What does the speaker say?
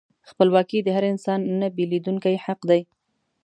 خپلواکي د هر انسان نهبیلېدونکی حق دی.